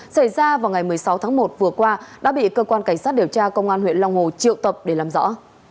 xảy ra vào ngày một mươi sáu tháng một vừa qua đã bị cơ quan cảnh sát điều tra công an huyện long hồ triệu tập để làm rõ